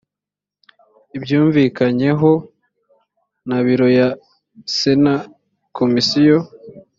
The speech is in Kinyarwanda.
ibyumvikanyeho na biro ya sena komisiyo